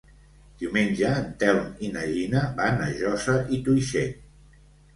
Diumenge en Telm i na Gina van a Josa i Tuixén.